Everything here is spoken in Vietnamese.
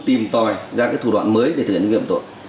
tìm tòi ra cái thủ đoạn mới để thực hiện nghiêm tội